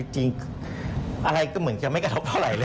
จริงอะไรก็เหมือนจะไม่กระทบเท่าไหร่เลย